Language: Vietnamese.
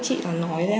chị đã nói ra